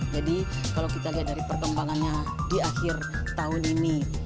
jadi kalau kita lihat dari perkembangannya di akhir tahun ini